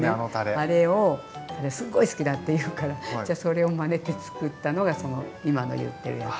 あれをすごい好きだって言うからじゃそれをまねてつくったのが今の言ってるやつ。